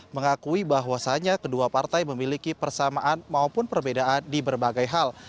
jadi bahwasannya kedua partai memiliki persamaan maupun perbedaan di berbagai hal